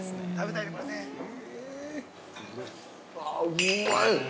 ◆あ、うまい。